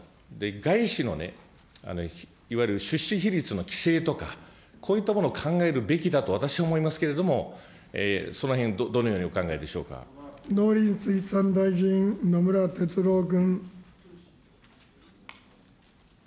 外資のね、いわゆる出資比率の規制とか、こういったものを考えるべきだと、私は思いますけども、そのへん、どのようにお考えでし農林水産大臣、野村哲郎君。